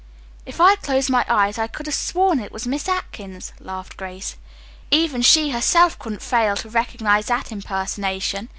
"If I had closed my eyes I could have sworn it was Miss Atkins," laughed Grace. "Even she herself couldn't fail to recognize that impersonation.